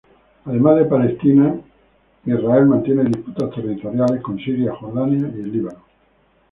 Además de Palestina, Israel mantiene disputas territoriales con Siria, Jordania y el Líbano.